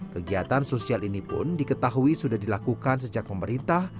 kegiatan sosial ini pun diketahui sudah dilakukan sejak pemerintah